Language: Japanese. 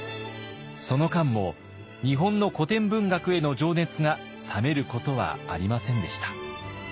その間も日本の古典文学への情熱が冷めることはありませんでした。